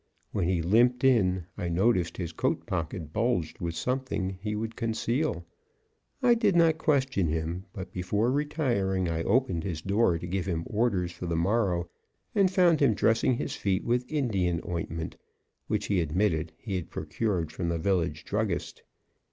When he limped in, I noticed his coat pocket bulged with something he would conceal. I did not question him. But before retiring, I opened his door to give him orders for the morrow, and found him dressing his feet with Indian ointment, which he admitted he had procured from the village druggist.